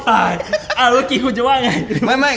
อ้าวเมื่อกี้คุณจะว่าไง